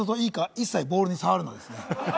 一切ボールにさわるな、ですね。